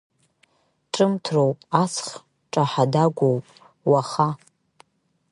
Ҿымҭроуп, аҵых ҿаҳа-дагәоуп уаха.